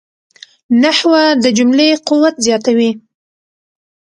نحوه د جملې قوت زیاتوي.